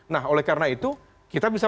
nah oleh karena itu kita bisa